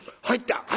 「入った！